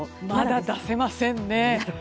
まだ出せませんね。